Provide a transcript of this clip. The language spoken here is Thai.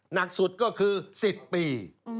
หนักสุดก็คือ๑๐ปี